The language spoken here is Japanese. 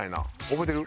覚えてる？